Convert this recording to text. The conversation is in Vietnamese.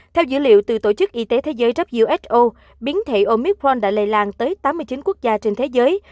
theo dữ liệu từ tổ chức y tế thế giới who biến thể omicron đã lây lan tới tám mươi chín quốc gia trên thế giới